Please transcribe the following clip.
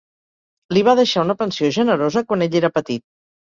Li va deixar una pensió generosa quan ell era petit.